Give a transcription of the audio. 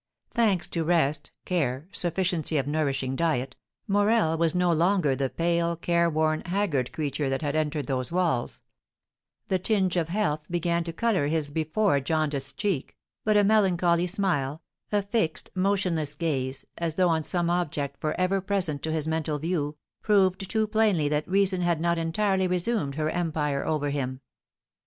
Thanks to rest, care, sufficiency of nourishing diet, Morel was no longer the pale, careworn, haggard creature that had entered those walls; the tinge of health began to colour his before jaundiced cheek, but a melancholy smile, a fixed, motionless gaze, as though on some object for ever present to his mental view, proved too plainly that Reason had not entirely resumed her empire over him.